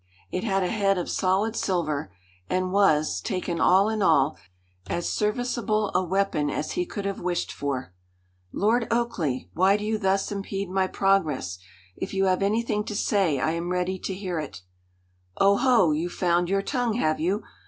It had a head of solid silver, and was, taken all in all, as serviceable a weapon as he could have wished for. "Lord Oakleigh! why do you thus impede my progress? If you have anything to say, I am ready to hear it." "Oho! you've found your tongue, have you?